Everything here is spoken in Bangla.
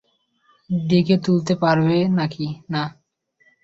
ডেকে তুলতে পারবে নাকি না?